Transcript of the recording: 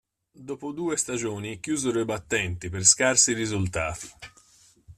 Dopo due stagioni chiusero i battenti per scarsi risultati.